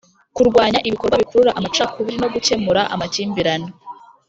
kurwanya ibikorwa bikurura amacakubiri no gukemura amakimbirane